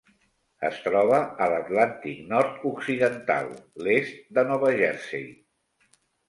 Es troba a l'Atlàntic nord-occidental: l'est de Nova Jersey.